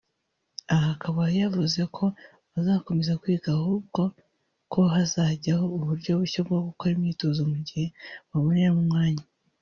Aha akaba yavuze ko bazakomeza kwiga ahubwo ko hazajyaho uburyo bushya bwo gukora imyitozo mugihe baboneramo umwanya